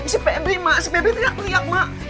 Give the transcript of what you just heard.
si febri maa si febri tidak lihat maa